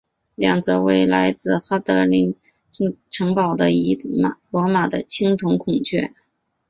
两侧为来自哈德良陵墓圣天使城堡的一对罗马的青铜孔雀。